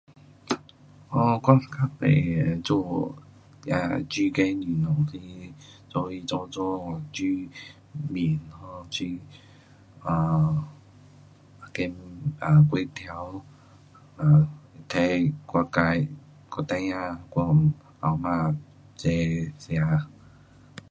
哦，我较多做，啊，煮鸡蛋，有当时早起早早煮面咯，煮，啊，那个，啊，果条给我自，我孩儿，我老婆，齐吃。